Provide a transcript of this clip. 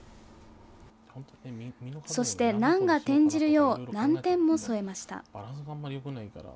そして「難」が「転じる」よう「南天」も添えました。